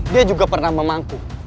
dia juga pernah memangku